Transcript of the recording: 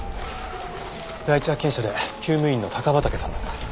第一発見者で厩務員の高畠さんです。